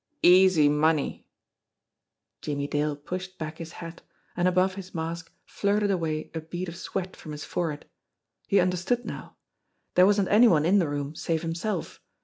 Easy money." Jimmie Dale pushed back his hat, and above his mask flirted away a bead of sweat from his forehead. He under, stood now. There wasn't any one in the room save himself.